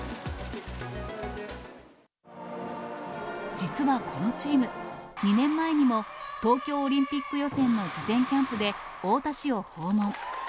実はこのチーム、２年前にも東京オリンピック予選の事前キャンプで太田市を訪問。